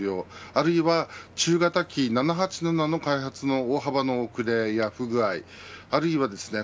あるいは中型機７８７の開発の大幅な遅れや不具合、あるいはですね